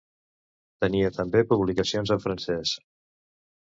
Tenia també publicacions en francès.